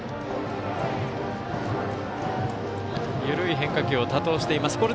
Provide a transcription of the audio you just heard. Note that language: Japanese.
緩い変化球を多投しています。